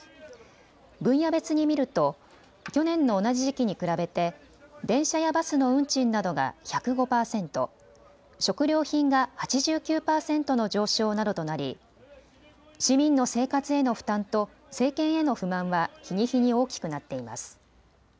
分野別に見ると去年の同じ時期に比べて電車やバスの運賃などが１０５％、食料品が８９％の上昇などとなり市民の生活への負担と政権への不満は日に日に大きくなっています。